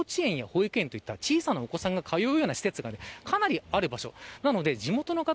圏内でいうと幼稚園や保育園といった小さなお子さんが通うような施設がかなりある場所。